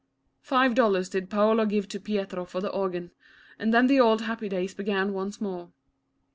Five dollars did Paolo give to Pietro for the organ, and then the old happy days began once more.